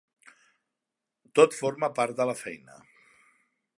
Tot forma part de la feina.